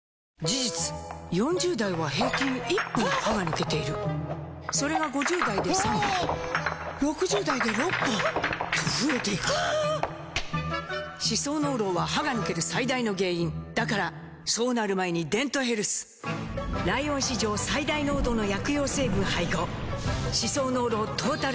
事実４０代は平均１本歯が抜けているそれが５０代で３本６０代で６本と増えていく歯槽膿漏は歯が抜ける最大の原因だからそうなる前に「デントヘルス」ライオン史上最大濃度の薬用成分配合歯槽膿漏トータルケア！